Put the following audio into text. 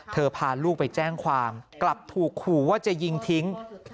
พาลูกไปแจ้งความกลับถูกขู่ว่าจะยิงทิ้ง